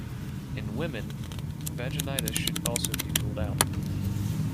In women, vaginitus should also be ruled out.